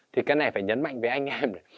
thì cái này phải nhấn mạnh với anh em